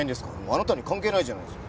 あなたに関係ないじゃないですか。